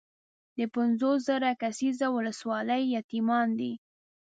د پنځوس زره کسیزه ولسوالۍ یتیمان دي.